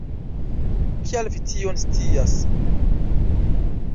Kial vi tion scias?